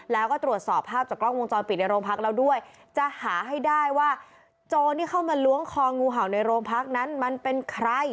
แล้วก็ตรวจสอบภาพจากกล้องวงจรปิดในโรงพักแล้วด้วยจะหาให้ได้ว่าโจรที่เข้ามาล้วงคองูเห่าในโรงพักนั้นมันเป็นใคร